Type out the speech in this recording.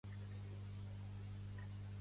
Comunicar la cultura amb perspectiva de gènere.